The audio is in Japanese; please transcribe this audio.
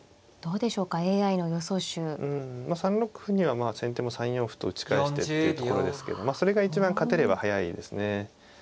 まあ３六歩には先手も３四歩と打ち返してっていうところですけどまあそれが一番勝てれば速いですね。